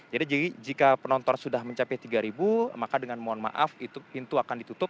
jadi jika penonton sudah mencapai tiga maka dengan mohon maaf pintu akan ditutup